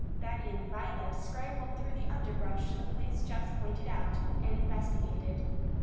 Benny and Violet scrambled through the underbrush to the place Jess pointed out, and investigated.